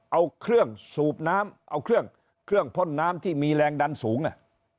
เอาเครื่องสูบน้ำเอาเครื่องเครื่องพ่นน้ำที่มีแรงดันสูงน่ะ